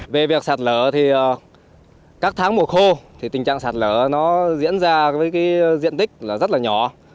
về việc sặt lở thì các tháng mùa khô thì tình trạng sặt lở nó diễn ra với diện tích rất là nhỏ